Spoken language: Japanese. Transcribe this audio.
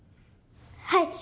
はい！